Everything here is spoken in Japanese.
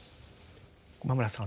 駒村さん